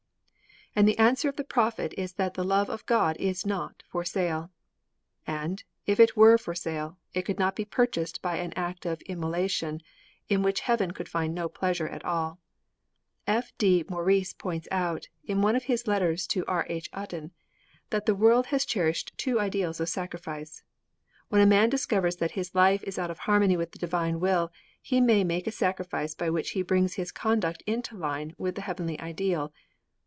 And the answer of the prophet is that the love of God is not for sale. And, if it were for sale, it could not be purchased by an act of immolation in which heaven could find no pleasure at all. F. D. Maurice points out, in one of his letters to R. H. Hutton, that the world has cherished two ideas of sacrifice. When a man discovers that his life is out of harmony with the divine Will, he may make a sacrifice by which he brings his conduct into line with the heavenly ideal.